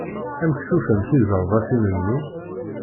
Amek tufam tizerbatin-nni?